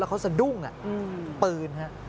แล้วเขาจะดุ้งปืนฮะ